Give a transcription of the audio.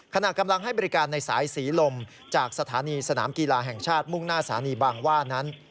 ขณะกำลังให้บริการในสายศรีลมจากสถานีสนามกีฬาแห่งชาติมุ่งหน้าสานีบางว่านั้น